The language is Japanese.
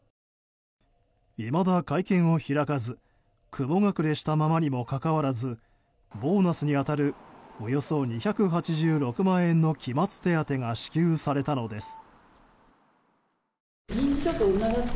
いまだ会見を開かず雲隠れしたままにもかかわらずボーナスに当たるおよそ２８６万円の期末手当が支給されたのです。